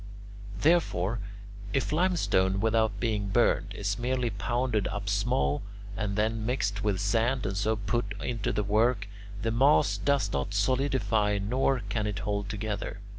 Therefore, if limestone, without being burned, is merely pounded up small and then mixed with sand and so put into the work, the mass does not solidify nor can it hold together.